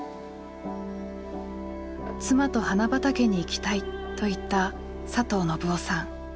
「妻と花畑に行きたい」と言った佐藤信男さん。